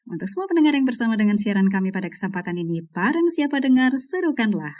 untuk semua pendengar yang bersama dengan siaran kami pada kesempatan ini barang siapa dengar serukanlah